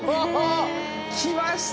きました！